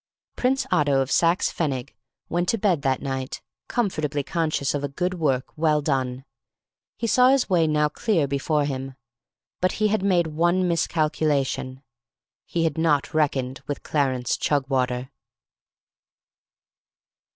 Prince Otto of Saxe Pfennig went to bed that night, comfortably conscious of a good work well done. He saw his way now clear before him. But he had made one miscalculation. He had not reckoned with Clarence Chugwater.